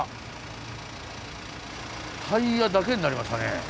タイヤだけになりましたね。